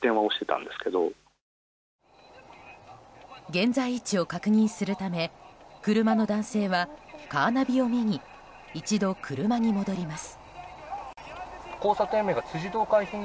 現在位置を確認するため車の男性はカーナビを見に一度、車に戻ります。